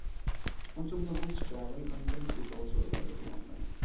Much of the books' travel content is also available online.